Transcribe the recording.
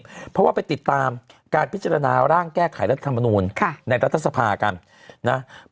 เพราะว่าไปติดตามการพิจารณาร่างแก้ไขรัฐธรรมนูลในรัฐสภากันนะ